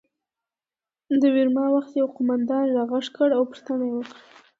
د ویرماخت یوه قومندان را غږ کړ او پوښتنه یې وکړه